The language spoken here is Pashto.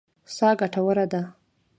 سا ګټوره ده.